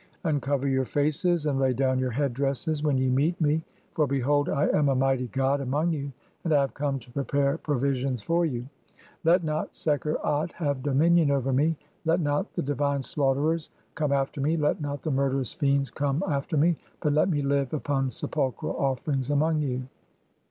Uncover your faces and lay down your head dresses when ye meet me, (4) for, behold, I am a mighty god "among you, and I have come to prepare provisions for you. "Let not Sekher At (?) have dominion over me, let not the di "vine slaughterers come after me, let not the murderous fiends "come (6) after me, but let me live upon sepulchral offerings "among you."